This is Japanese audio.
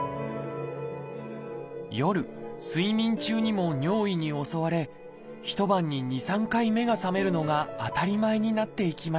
夜睡眠中にも尿意に襲われ一晩に２３回目が覚めるのが当たり前になっていきました。